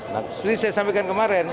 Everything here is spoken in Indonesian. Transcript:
nah seperti saya sampaikan kemarin